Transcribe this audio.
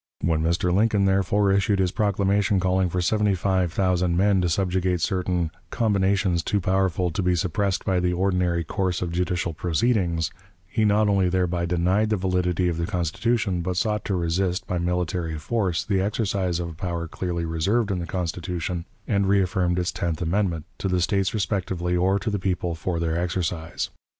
When Mr. Lincoln, therefore, issued his proclamation calling for seventy five thousand men to subjugate certain "combinations too powerful to be suppressed by the ordinary course of judicial proceedings," he not only thereby denied the validity of the Constitution, but sought to resist, by military force, the exercise of a power clearly reserved in the Constitution, and reaffirmed in its tenth amendment, to the States respectively or to the people for their exercise.